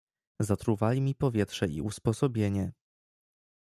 "Zatruwali mi powietrze i usposobienie."